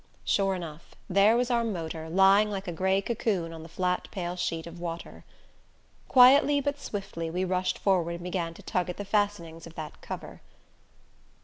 Sure enough there was our motor, lying like a gray cocoon on the flat pale sheet of water. Quietly but swiftly we rushed forward and began to tug at the fastenings of that cover.